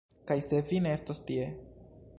Kaj se vi ne estos tie....